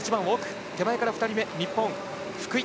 手前から２人目、日本、福井。